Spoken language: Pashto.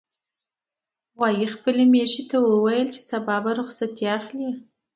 غویي خپلې میښې ته وویل چې سبا به رخصتي اخلي.